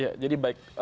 ya jadi baik